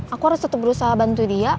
aku harus tetap berusaha bantu dia